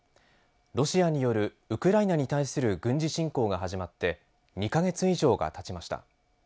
ロシアによるウクライナに対する軍事侵攻が始まって２か月以上がたちました。